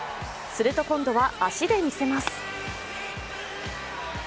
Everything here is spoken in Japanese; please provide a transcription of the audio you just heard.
すると今度は、足で見せます。